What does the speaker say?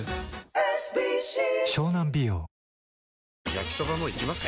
焼きソバもいきます？